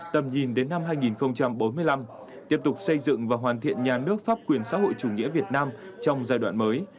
tầm nhìn đến năm hai nghìn bốn mươi năm tiếp tục xây dựng và hoàn thiện nhà nước pháp quyền xã hội chủ nghĩa việt nam trong giai đoạn mới